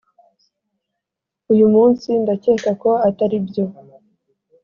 uyu munsi ndakeka ko atari byo